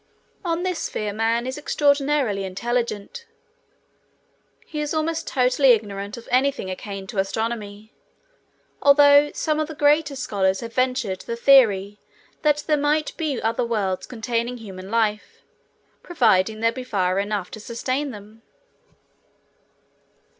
On this sphere man is extraordinarily intelligent. He is almost totally ignorant of anything akin to astronomy, although some of the greater scholars have ventured the theory that there might be other worlds containing human life, providing there be fire enough to sustain them.